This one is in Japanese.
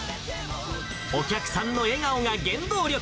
お客さんの笑顔が原動力。